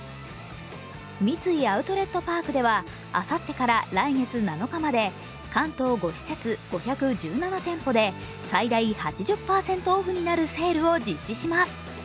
三井アウトレットパークではあさってから来月７日まで関東５施設５１７店舗で最大８０％オフになるセールを実施します。